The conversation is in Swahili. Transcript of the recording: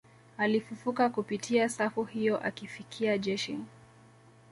Alifufuka kupitia safu hiyo akifikia jeshi